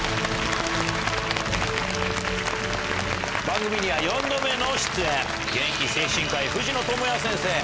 番組には４度目の出演現役精神科医藤野智哉先生。